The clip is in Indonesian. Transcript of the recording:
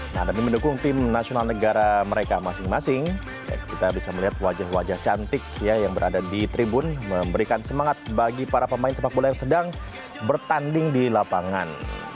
nah demi mendukung tim nasional negara mereka masing masing kita bisa melihat wajah wajah cantik yang berada di tribun memberikan semangat bagi para pemain sepak bola yang sedang bertanding di lapangan